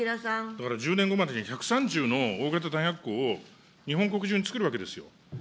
だから１０年後までに１３０の大型弾薬庫を日本国中につくるわけですよ。